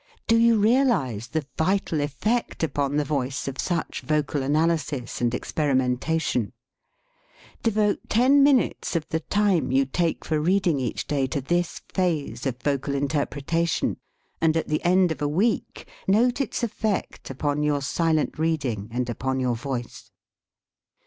Do you realize the vital effect upon the voice of such vocal analysis and ex perimentation ? Devote ten minutes of the time you take for reading each day to this phase of vocal interpretation, and at the end of a week note its effect upon your silent reading and upon your voice.